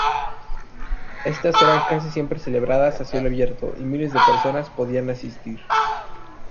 Estas eran casi siempre celebradas a cielo abierto, y miles de personas podían asistir.